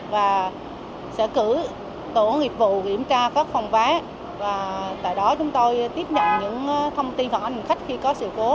và sẽ cử tổ nghiệp vụ kiểm tra các phòng váy và tại đó chúng tôi tiếp nhận những thông tin của anh khách khi có sự cố